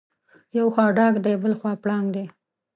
یو خوا ډاګ دی بلخوا پړانګ دی.